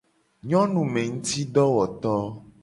Nyonumengutidowoto.